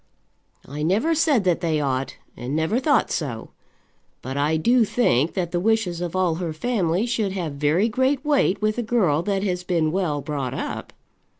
"I never said that they ought, and never thought so. But I do think that the wishes of all her family should have very great weight with a girl that has been well brought up."